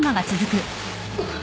あっ！？